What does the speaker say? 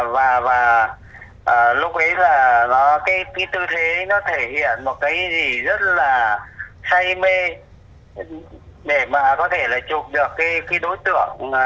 và và lúc ấy là nó cái tư thế nó thể hiện một cái gì rất là hay me để mà có thể là trộm và khi đó tưởng